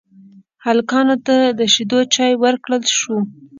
هلکانو ته د شيدو چايو ورکړل شوه.